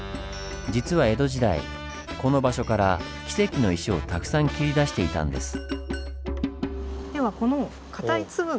実は江戸時代この場所からキセキの石をたくさん切り出していたんです。